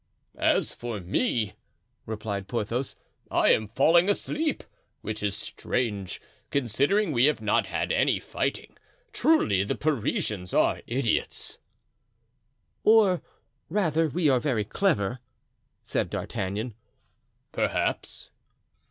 "As for me," replied Porthos, "I am falling asleep, which is strange, considering we have not had any fighting; truly the Parisians are idiots." "Or rather, we are very clever," said D'Artagnan. "Perhaps."